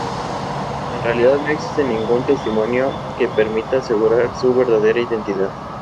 En realidad, no existe ningún testimonio que permita asegurar su verdadera identidad.